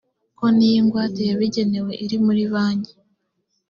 konti y ingwate yabigenewe iri muri banki